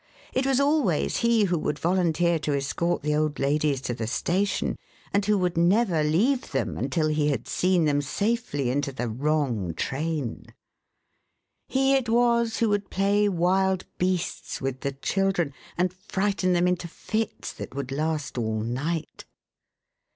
It was always he who would volunteer to escort the old ladies to the station, and who would never leave them until he had seen them safely into the wrong train. He it was who would play "wild beasts" with the children, and frighten them into fits that would last all night.